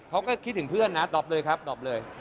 เขาก็คิดถึงเพื่อนนะตอบเลยครับตอบเลย